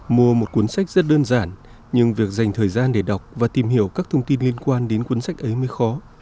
mua một cuốn sách rất đơn giản nhưng việc dành thời gian để đọc và tìm hiểu các thông tin liên quan đến cuốn sách ấy mới khó